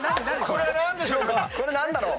これは何でしょうか？